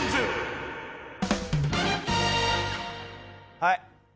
はい。